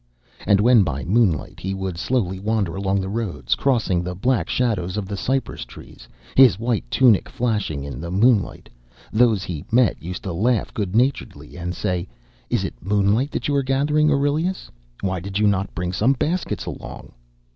And when by moonlight he would slowly wander along the roads, crossing the black shadows of the cypress trees, his white tunic flashing in the moonlight, those he met used to laugh good naturedly and say: "Is it moonlight that you are gathering, Aurelius? Why did you not bring some baskets along?"